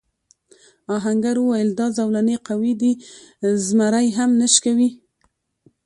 آهنګر وویل دا زولنې قوي دي زمری هم نه شکوي.